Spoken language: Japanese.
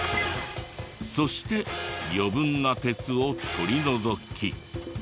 そして余分な鉄を取り除き。